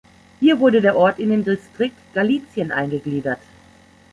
Hier wurde der Ort in den Distrikt Galizien eingegliedert.